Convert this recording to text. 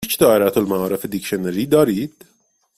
هیچ دائره المعارف دیکشنری دارید؟